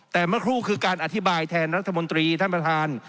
แต่เมื่อครูคือการอธิบายแทนรัฐมนตรีท่านประธาน